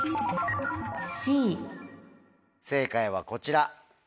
正解はこちら。